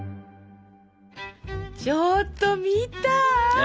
ちょっと見た？え？